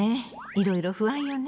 いろいろ不安よね。